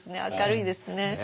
明るいですね。